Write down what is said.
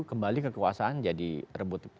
kembali kekuasaan jadi rebut